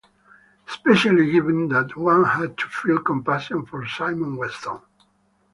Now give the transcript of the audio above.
Especially given that one had to feel compassion for Simon Weston.